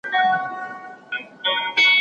ټولنېزې ستونزې د غږونو نه منلو لامل کېږي.